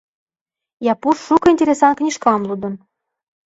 Япуш шуко интересан книжкам лудын.